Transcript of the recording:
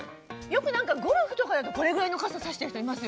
よくゴルフとかだとこれぐらいの傘差してる人いますよね。